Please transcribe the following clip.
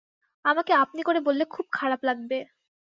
আমাকে আপনি করে বললে খুব খারাপ লাগবে।